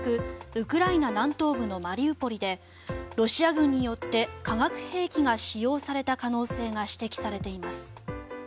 ウクライナ南東部のマリウポリでロシア軍によって化学兵器が使用された可能性が指摘されています。